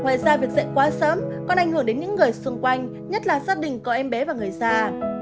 ngoài ra việc dạy quá sớm còn ảnh hưởng đến những người xung quanh nhất là gia đình có em bé và người già